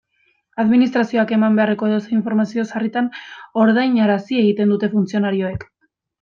Administrazioak eman beharreko edozein informazio sarritan ordainarazi egiten dute funtzionarioek.